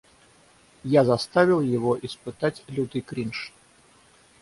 Я заставил его испытать лютый кринж.